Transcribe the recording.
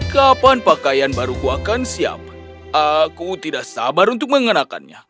kapan pakaian baruku akan siap aku tidak sabar untuk mengenakannya